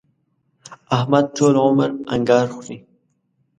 احمد ټول عمر انګار خوري.